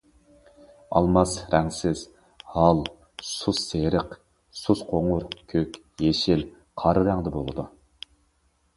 ئالماس رەڭسىز، ھال، سۇس سېرىق، سۇس قوڭۇر، كۆك، يېشىل، قارا رەڭدە بولىدۇ.